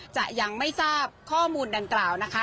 จะยังไม่ทราบข้อมูลดังกล่าวนะคะ